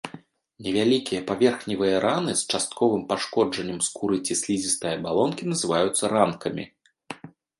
Невялікія паверхневыя раны з частковым пашкоджаннем скуры ці слізістай абалонкі называюцца ранкамі.